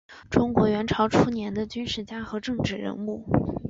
中国元朝初年的军事家和政治人物。